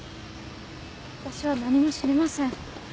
私は何も知りません。